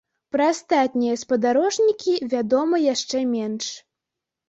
Пра астатнія спадарожнікі вядома яшчэ менш.